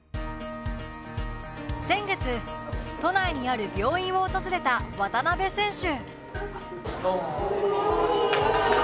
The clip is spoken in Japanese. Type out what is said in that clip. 先月都内にある病院を訪れた渡邊選手。